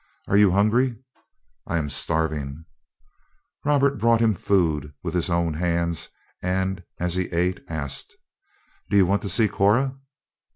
"Are you hungry?" "I am starving." Robert brought him food with his own hands and, as he ate, asked: "Do you want to see Cora?"